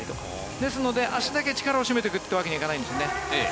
ですので、足だけ力を締めていくわけにはいかないんですね。